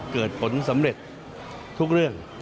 เกิดผลสำเร็จทุกเรื่อง